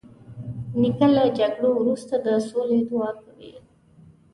نیکه له جګړو وروسته د سولې دعا کوي.